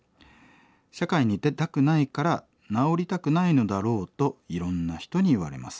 社会に出たくないから治りたくないのだろうといろんな人に言われます。